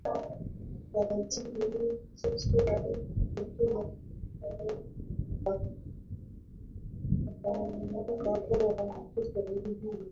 kwa ajili hiyo Yesu alimtokea katika ono akaongoka kuwa Mkristo Hivyo